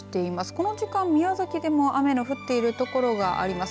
この時間、宮崎でも雨が降っているところがあります